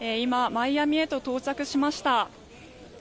マイアミへと到着しました。